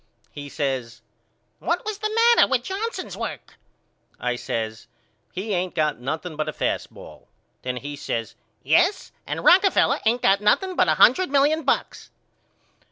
He says What was the matter with Johnson's work? I says He ain't got nothing but a fast ball. Then he says Yes and Rockefeller ain't got nothing but a hundred million bucks.